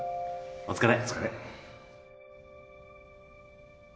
お疲れ